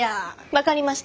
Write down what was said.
分かりました。